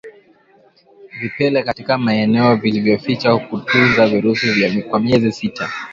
Vipele katika maeneo yaliyojificha hutunza virusi kwa miezi sita